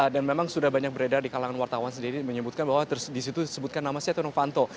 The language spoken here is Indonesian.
dan memang sudah banyak beredar di kalangan wartawan sendiri menyebutkan bahwa disitu disebutkan nama saya tonong fanto